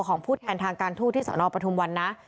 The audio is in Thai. ของผู้แทนทางการทูตที่สนปทุมวันนะ